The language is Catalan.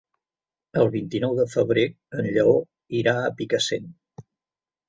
El vint-i-nou de febrer en Lleó irà a Picassent.